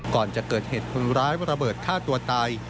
ก่อนจะเกิดเหตุคนร้ายระเบิดฆ่าตัวตาย